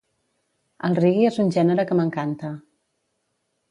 El reggae és un gènere que m'encanta.